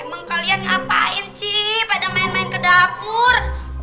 emang kalian ngapain sih pada main main ke dapur